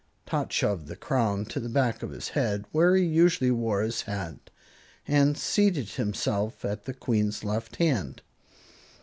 Tot shoved the crown to the back of his head, where he usually wore his hat, and seated himself at the Queen's left hand.